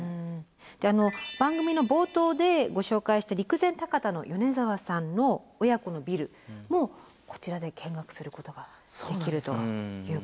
番組の冒頭でご紹介した陸前高田の米沢さんの親子のビルもこちらで見学することができるということなんです。